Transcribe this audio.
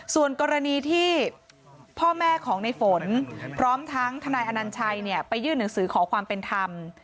ส่วนกรณีที่พ่อแม่ของในฝนพร้อมทั้งทนายอนัญชัยไปยื่นหนังสือขอความเป็นธรรม